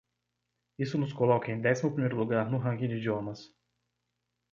Isso nos coloca em décimo primeiro lugar no ranking de idiomas.